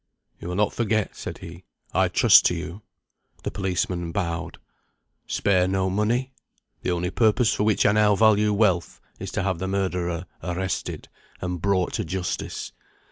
"You will not forget," said he. "I trust to you." The policeman bowed. "Spare no money. The only purpose for which I now value wealth is to have the murderer arrested, and brought to justice.